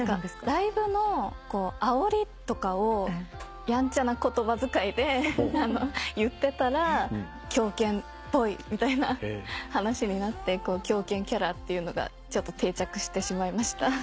ライブのあおりとかをやんちゃな言葉遣いで言ってたら狂犬っぽいみたいな話になって狂犬キャラっていうのが定着してしまいました。